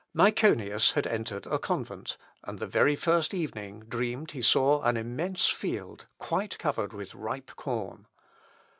Myconius had entered a convent, and the very first evening dreamed he saw an immense field quite covered with ripe corn.